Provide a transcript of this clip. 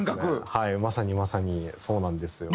はいまさにまさにそうなんですよ。